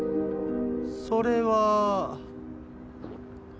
それは。